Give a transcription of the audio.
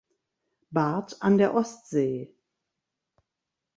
Barth an der Ostsee.